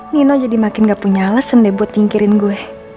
nino jadi makin gak punya alasan deh buat nyingkirin gue